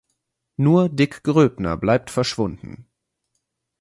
Nur Dick Gröbner bleibt verschwunden.